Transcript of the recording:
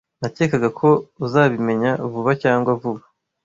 Nakekaga ko uzabimenya vuba cyangwa vuba.